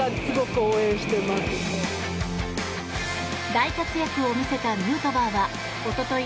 大活躍を見せたヌートバーはおととい